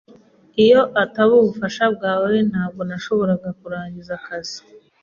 Iyo itaba ubufasha bwawe, ntabwo nashoboraga kurangiza akazi.